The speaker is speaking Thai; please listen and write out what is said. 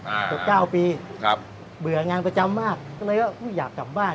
เกือบเก้าปีครับเบื่องานประจำมากก็เลยว่าอุ้ยอยากกลับบ้าน